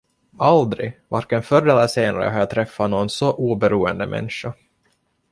Aldrig, varken förr eller senare har jag träffat någon så oberoende människa.